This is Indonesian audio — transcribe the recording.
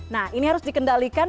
nah ini harus dikendalikan